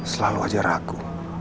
selalu ajar aku